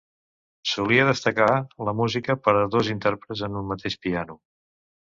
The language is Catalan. Solia destacar la música per a dos intèrprets en un mateix piano.